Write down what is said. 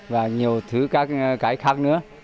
và những hộp mì tôm